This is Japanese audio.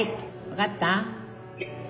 分かった。